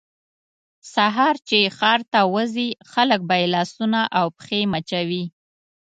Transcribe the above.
سهار چې ښار ته وځي خلک به یې لاسونه او پښې مچوي.